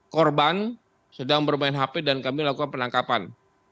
korban sedang bermain hp dan kami lakukan penangkapan